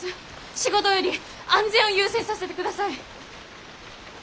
仕事より安全を優先させてください！